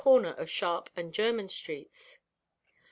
corner of Sharp and German streets.